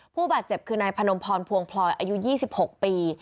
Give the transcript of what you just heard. ผู้บาดเจ็บคือนายพนมพรพวงพลอยอายุ๒๖ปี